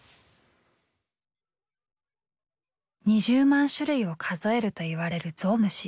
２０万種類を数えるといわれるゾウムシ。